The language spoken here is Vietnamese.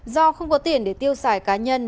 do không có tiền để tiêu xài cá nhân